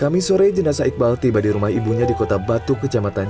kami sore jenazah iqbal tiba di rumah ibunya di kota batu kecamatan